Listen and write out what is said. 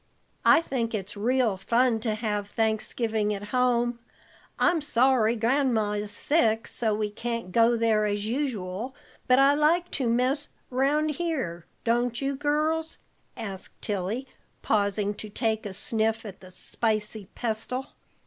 "I think it's real fun to have Thanksgiving at home. I'm sorry Gran'ma is sick, so we can't go there as usual, but I like to mess 'round here, don't you, girls?" asked Tilly, pausing to take a sniff at the spicy pestle.